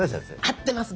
合ってます！